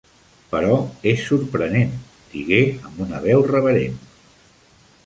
"Però és sorprenent", digué amb una veu reverent.